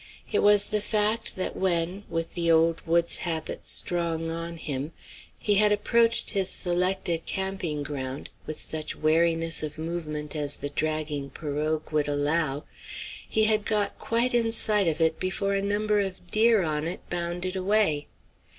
It was the fact that when, with the old woods habit strong on him, he had approached his selected camping ground, with such wariness of movement as the dragging pirogue would allow, he had got quite in sight of it before a number of deer on it bounded away.